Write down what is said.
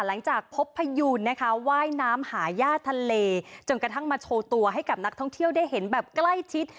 หลังจากพบพยูนนะคะว่ายน้ำหาย่าทะเลจนกระทั่งมาโชว์ตัวให้กับนักท่องเที่ยวได้เห็นแบบใกล้ชิด